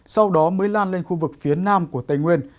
sau đó mới lan lên khu vực phía nam của tây nguyên